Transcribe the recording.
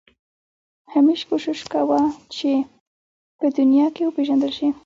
همېشه کوښښ وکړه چې په دنیا کې وپېژندل شې.